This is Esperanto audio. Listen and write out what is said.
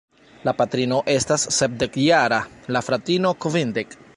La patrino estas sepdekjara, la fratino kvindek.